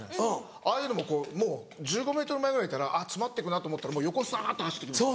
ああいうのももう１５ｍ前ぐらいいたら詰まって行くなと思ったら横サっと走って行きます。